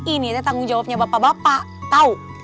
ini ya tanggung jawabnya bapak bapak tau